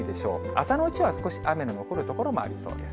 朝のうちは少し、雨の残る所もありそうです。